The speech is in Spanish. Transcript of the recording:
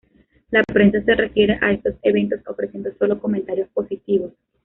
La prensa se refiere a estos eventos, ofreciendo sólo comentarios positivos.